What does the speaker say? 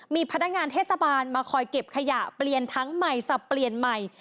มีพนักงานเทศบาลมาคอยเก็บขยะเปลี่ยนทั้งใหม่สับเปลี่ยนใหม่